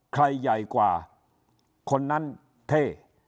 ใหญ่กว่าคนนั้นเท่